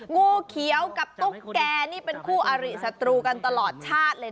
งูเขียวกับตุ๊กแก่นี่เป็นคู่อาริสัตรูกันตลอดชาติเลย